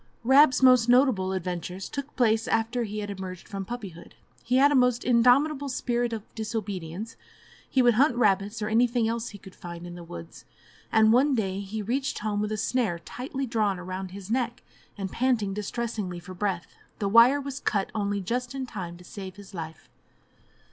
Rab's most notable adventures took place after he had emerged from puppyhood. He had a most indomitable spirit of disobedience; he would hunt rabbits or anything else he could find in the woods, and one day he reached home with a snare tightly drawn round his neck, and panting distressingly for breath; the wire was cut only just in time to save his life.